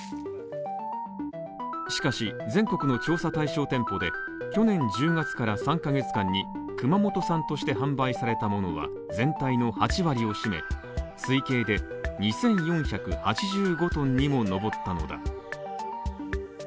しかし、全国の調査対象店舗で去年１０月から３カ月間に熊本産として販売されたものは全体の８割を占め、推計で２４８５ｔにも上ったのだ。